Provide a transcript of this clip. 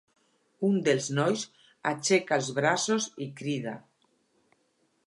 Un dels nois aixeca els braços i crida.